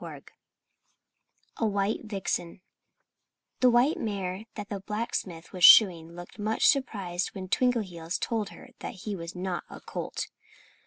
XVII A WHITE VIXEN The white mare that the blacksmith was shoeing looked much surprised when Twinkleheels told her he was not a colt.